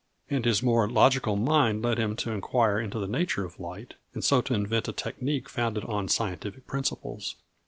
And his more logical mind led him to inquire into the nature of light, and so to invent a technique founded on scientific principles.